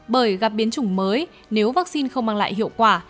bởi gặp biến chủng mới nếu vaccine không mang lại hiệu quả